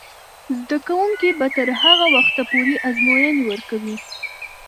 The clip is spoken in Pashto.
زده کوونکې به تر هغه وخته پورې ازموینې ورکوي.